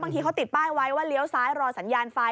ทีเขาติดป้ายไว้ว่าเลี้ยวซ้ายรอสัญญาณไฟ